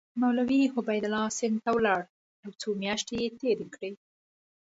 مولوي عبیدالله سند ته ولاړ او څو میاشتې یې تېرې کړې.